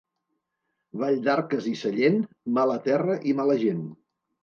Valldarques i Sallent, mala terra i mala gent.